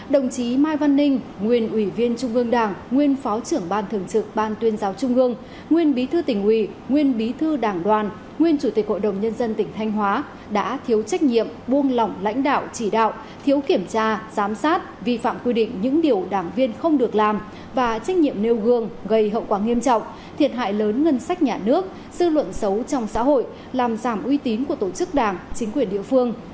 hai nghìn hai mươi đã gây hậu quả nghiêm trọng khó khắc phục thiệt hại và nguy cơ thiệt hại lớn ngân sách nhà nước để nhiều cán bộ đảng viên vi phạm bị xử lý kỷ luật và xử lý hình sự gây dư luận xấu trong xã hội làm giảm uy tín của tổ chức đảng và chính quyền địa phương